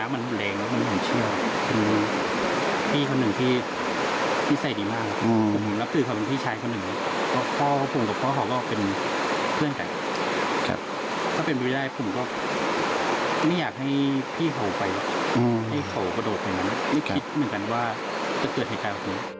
ไม่คิดเหมือนกันว่าจะเกิดแห่งการแบบนี้